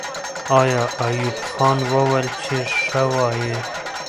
آیا ایوب خان وویل چې ښه وایي؟